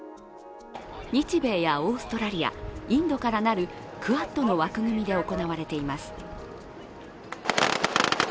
日米やオーストラリア、インドから成るクアッドの枠組みで行われています。